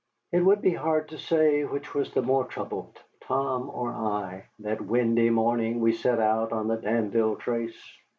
It would be hard to say which was the more troubled, Tom or I, that windy morning we set out on the Danville trace.